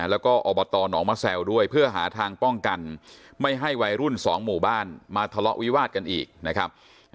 แล้วก็อบตหนองมะแซวด้วยเพื่อหาทางป้องกันไม่ให้วัยรุ่นสองหมู่บ้านมาทะเลาะวิวาดกันอีกนะครับ